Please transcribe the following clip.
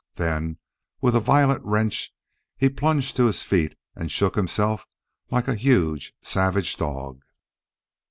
Then with a violent wrench he plunged to his feet and shook himself like a huge, savage dog.